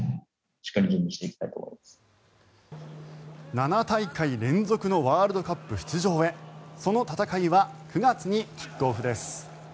７大会連続のワールドカップ出場へその戦いは９月にキックオフです。